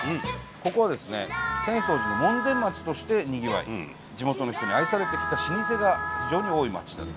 ここはですね浅草寺の門前町としてにぎわい地元の人に愛されてきた老舗が非常に多い町だと。